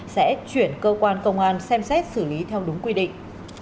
sẽ chuyển cơ quan công an xem xét xử lý theo đúng quy định